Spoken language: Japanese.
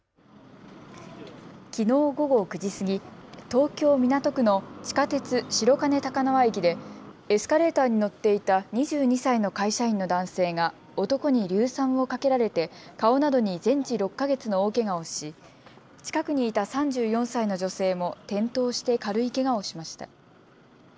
きのう午後９時過ぎ東京港区の地下鉄、白金高輪駅でエスカレーターに乗っていた２２歳の会社員の男性が男に硫酸をかけられて顔などに全治６か月の大けがをし近くにいた３４歳の女性も転倒して軽いけがをしました。